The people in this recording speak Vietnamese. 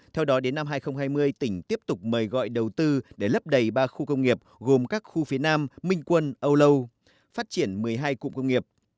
theo đó đến năm hai nghìn hai mươi tỉnh tiếp tục mời gọi đầu tư để lấp đầy ba khu công nghiệp gồm các khu phía nam minh quân âu lâu phát triển một mươi hai cụm công nghiệp